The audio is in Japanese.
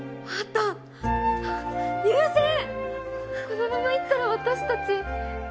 このままいったら私たち。